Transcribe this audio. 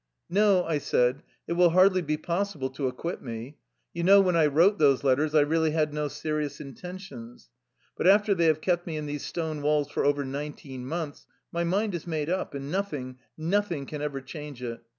"No," I said, "it will hardly be possible to acquit me. You know when I wrote those let ters, I really had no serious intentions. But after they have kept me in these stone walls for over nineteen months, my mind is made up, and nothing, nothing can ever change it.